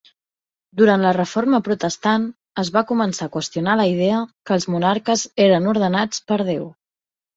Durant la Reforma Protestant, es va començar a qüestionar la idea que els monarques eren ordenats per Déu.